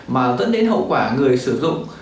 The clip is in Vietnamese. mà tấn đến hậu quả người sử dụng